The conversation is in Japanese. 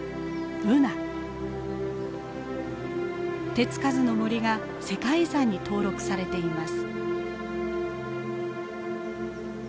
手付かずの森が世界遺産に登録されています。